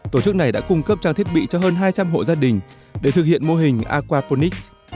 tổ chức này đã cung cấp trang thiết bị cho hơn hai trăm linh hộ gia đình để thực hiện mô hình aquaponics